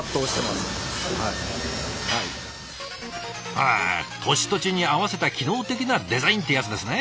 へえ土地土地に合わせた機能的なデザインってやつですね。